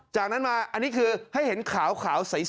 จากนั้นมาอันนี้คือให้เห็นขาวใส